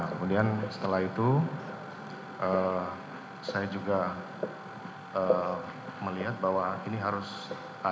kemudian setelah itu saya juga melihat bahwa ini harus